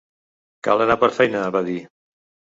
Cal anar per feina, va dir.